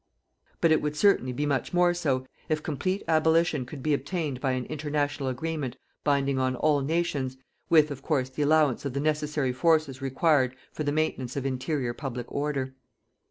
But it would certainly be much more so, if complete abolition could be obtained by an international agreement binding on all nations, with, of course, the allowance of the necessary forces required for the maintenance of interior public order.